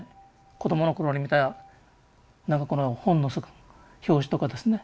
子供の頃に見たなんかこの本の表紙とかですね